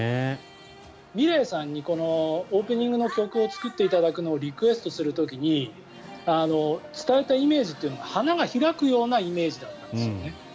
ｍｉｌｅｔさんにオープニングの曲を作っていただくのをリクエストする時に伝えたイメージというのが花が開くようなイメージだったんですよね。